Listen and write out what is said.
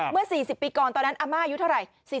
เมื่อ๔๐ปีก่อนตอนนั้นอาม่าอายุเท่าไหร่